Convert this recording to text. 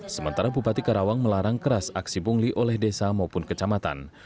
sementara bupati karawang melarang keras aksi bungli oleh desa maupun kecamatan